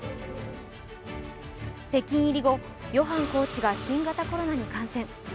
北京入り後、ヨハンコーチが新型コロナに感染。